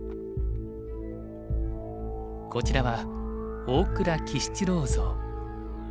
こちらは大倉喜七郎像。